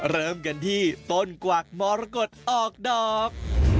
เริ่มกันที่ต้นกวักมรกฏออกดอก